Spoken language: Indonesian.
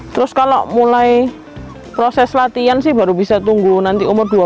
terus kalau mulai proses latihan sih baru bisa tunggu nanti umur dua puluh